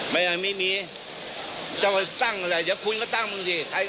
ไม่ยุ่งใจฮาแหละเจ้าประเทศไทย